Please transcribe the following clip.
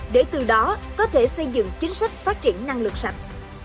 để từ đó có thể xây dựng chính sách phát triển năng lượng sạch